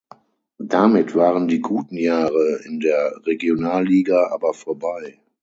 Damit waren die guten Jahre in der Regionalliga aber vorbei.